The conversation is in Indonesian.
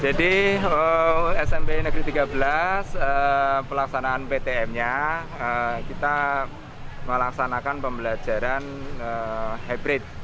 jadi smp negeri tiga belas pelaksanaan ptm nya kita melaksanakan pembelajaran hybrid